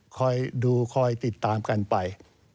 คอยดูคอยติดตามกันไป